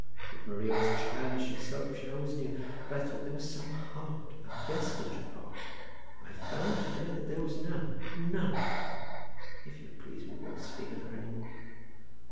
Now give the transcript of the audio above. That Maria was childish and selfish I always knew; but I thought there was some heart, a vestige of heart. I found to day that there was none, none. If you please we won't speak of her any more."